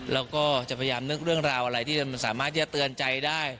เราก็จะพยายามนึกเรื่องราวอะไรที่มันสามารถที่จะเตือนใจได้